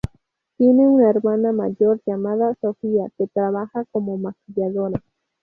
Tiene una hermana mayor llamada Sofía, que trabaja como maquilladora.